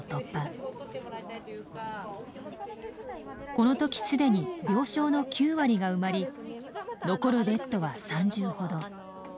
この時既に病床の９割が埋まり残るベッドは３０ほど。